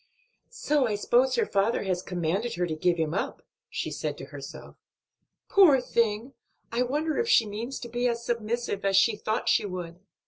"So I suppose her father has commanded her to give him up," she said to herself. "Poor thing! I wonder if she means to be as submissive as she thought she would."